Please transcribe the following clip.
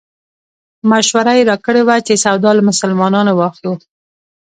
مشوره یې راکړې وه چې سودا له مسلمانانو واخلو.